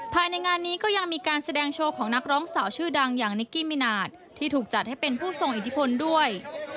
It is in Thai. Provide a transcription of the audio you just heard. ภายในงานนี้ก็ยังมีการแสดงโชว์ของนักร้องสาวชื่อดังอย่างนิกกี้มินาทที่ถูกจัดให้เป็นผู้ทรงอิทธิพลด้วย